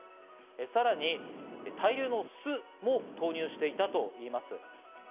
さらに大量の酢も投入していたといいます。